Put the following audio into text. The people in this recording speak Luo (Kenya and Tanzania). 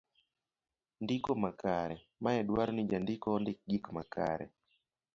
ndiko makare. mae dwaro ni jandiko ondik gik makare